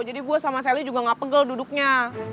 jadi gua sama sally juga gak pegel duduknya